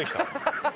ハハハハ！